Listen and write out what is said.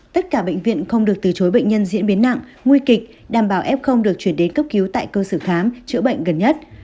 tất cả bệnh viện không được từ chối bệnh nhân diễn biến nặng nguy kịch đảm bảo f được chuyển đến cấp cứu tại cơ sở khám chữa bệnh gần nhất